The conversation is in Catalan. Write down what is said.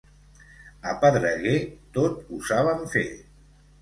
A Pedreguer tot ho saben fer.